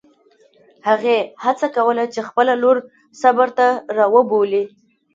هغې هڅه کوله چې خپله لور صبر ته راوبولي.